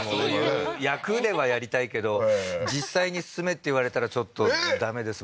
そういう役ではやりたいけど実際に住めって言われたらちょっとダメです